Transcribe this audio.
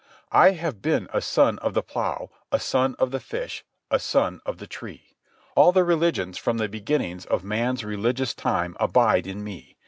I have been a Son of the Plough, a Son of the Fish, a Son of the Tree. All religions from the beginnings of man's religious time abide in me.